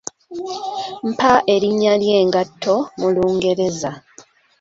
Mpa erinnya ly'engatto mu Lungereza?